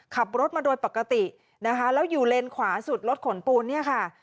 ขับรถมาโดยปกตินะคะแล้วอยู่เลนขวาสุดรถขนปูนเนี่ยค่ะ